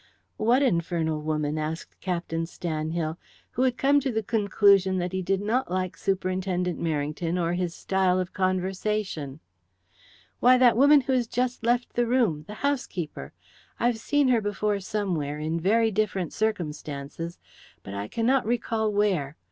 "What infernal woman?" asked Captain Stanhill, who had come to the conclusion that he did not like Superintendent Merrington or his style of conversation. "Why, that woman who has just left the room that housekeeper. I've seen her before somewhere, in very different circumstances, but I cannot recall where.